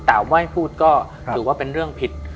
แต่ไม่พูดก็ถือว่าเป็นเรื่องผิด